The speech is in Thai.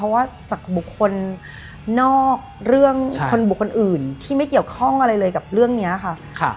เพราะว่าจากบุคคลนอกเรื่องคนบุคคลอื่นที่ไม่เกี่ยวข้องอะไรเลยกับเรื่องนี้ค่ะ